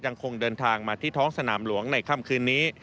ยังคงเดินทางมาที่ท้องสนามหลวงในค่ำคืนนี้